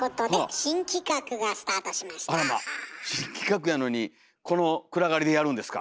新企画やのにこの暗がりでやるんですか？